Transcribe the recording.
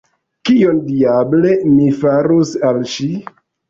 Kion, diable, mi farus al ŝi?